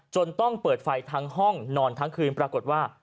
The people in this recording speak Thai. ต้องเปิดไฟทั้งห้องนอนทั้งคืนปรากฏว่า